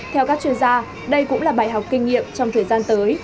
theo các chuyên gia đây cũng là bài học kinh nghiệm trong thời gian tới